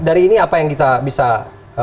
dari ini apa yang bisa kita perhatikan